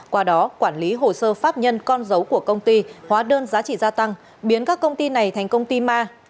qua đó quản lý hồ sơ pháp nhân con dấu của công ty hóa đơn giá trị gia tăng biến các công ty này thành công ty ma